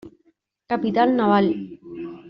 Capitán Naval.